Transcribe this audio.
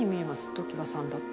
常盤さんだったら。